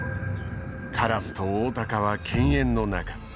カラスとオオタカは犬猿の仲。